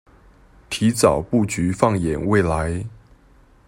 提早布局放眼未來